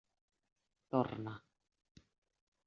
Torna.